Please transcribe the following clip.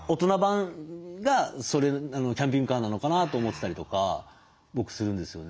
キャンピングカーなのかなと思ってたりとか僕するんですよね。